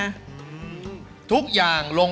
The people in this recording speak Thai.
ไอ้กะถิ่นที่เตรียมไว้เนี่ยไม่ต้อง